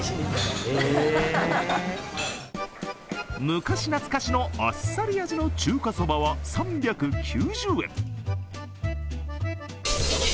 昔懐かしのあっさり味の中華そばは３９０円。